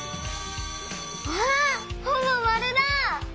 わあほぼまるだ！